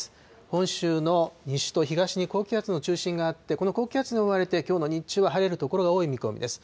本州の西と東に高気圧の中心があって、この高気圧に覆われて、きょうの日中は晴れる所が多い見込みです。